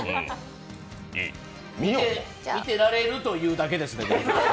見てられるというだけですね。